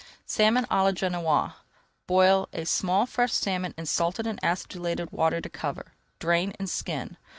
SALMON À LA GENOISE Boil a small fresh salmon in salted and acidulated water to cover, drain, and skin.